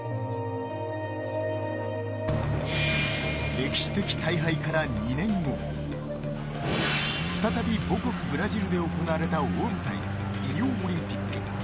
歴史的大敗から２年後再び母国・ブラジルで行われた大舞台リオオリンピック。